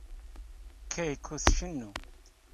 Keiko tcennu.